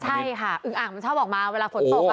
ใช่ค่ะอึงอ่างมันชอบออกมาเวลาฝนตก